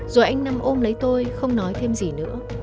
rồi anh nằm ôm lấy tôi không nói thêm gì nữa